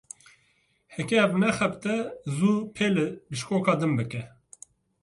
Heke ev nexebite, zû pêlî bişkoka din bike.